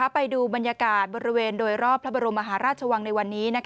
ไปดูบรรยากาศบริเวณโดยรอบพระบรมมหาราชวังในวันนี้